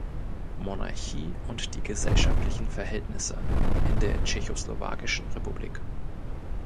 Monarchie und die gesellschaftlichen Verhältnisse in der Tschechoslowakischen Republik.